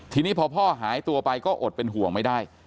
ทีนี้พอพ่อหายตัวไปก็อดเป็นห่วงไม่ได้